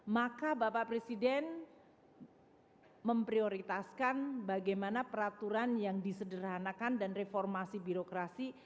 maka bapak presiden memprioritaskan bagaimana peraturan yang disederhanakan dan reformasi birokrasi